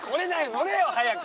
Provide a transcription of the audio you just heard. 乗れよ早く。